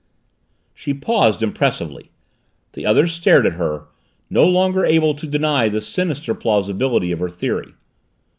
She paused, impressively. The others stared at her no longer able to deny the sinister plausibility of her theory.